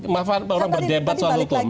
maaf orang berdebat soal hukum